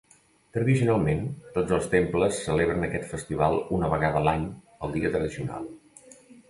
Tradicionalment, tots els temples celebren aquest festival una vegada a l'any el dia tradicional.